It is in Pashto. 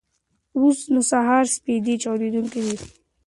اوس نو د سهار سپېدې چاودېدونکې وې.